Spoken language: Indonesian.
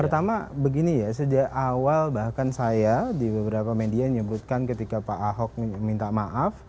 pertama begini ya sejak awal bahkan saya di beberapa media menyebutkan ketika pak ahok minta maaf